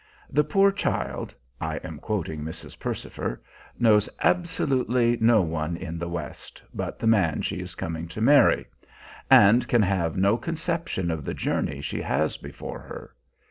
The poor child I am quoting Mrs. Percifer knows absolutely no one in the West but the man she is coming to marry (?)and can have no conception of the journey she has before her.